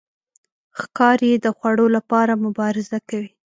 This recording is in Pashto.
ښکاري د خوړو لپاره مبارزه کوي.